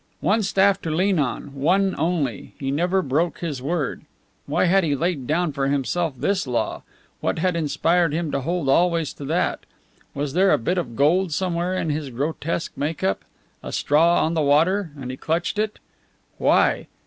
One staff to lean on, one only he never broke his word. Why had he laid down for himself this law? What had inspired him to hold always to that? Was there a bit of gold somewhere in his grotesque make up? A straw on the water, and he clutched it! Why?